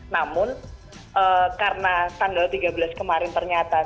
namun karena tanggal tiga belas kemarin ternyata